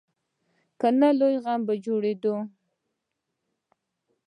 که نه، لوی غم به جوړېدو.